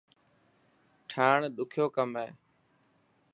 ٺاهڻ ڏکيو ڪم هي.